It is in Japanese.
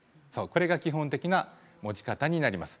これが基本的な持ち方になります。